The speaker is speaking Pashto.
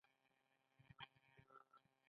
پوهه باید په ساده او روانه ژبه خپره شي.